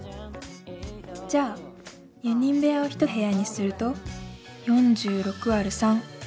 じゃあ４人部屋を１部屋にすると４６÷３。